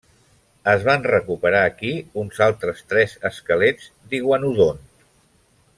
Es van recuperar aquí uns altres tres esquelets d'iguanodont.